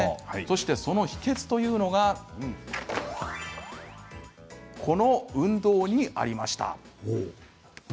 その秘けつはこの運動にありました。